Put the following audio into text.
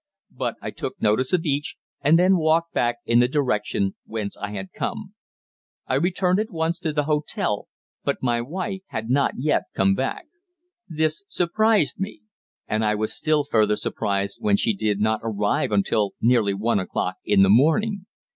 But I took notice of each, and then walked back in the direction whence I had come. I returned at once to the hotel, but my wife had not yet come back. This surprised me. And I was still further surprised when she did not arrive until nearly one o'clock in the morning.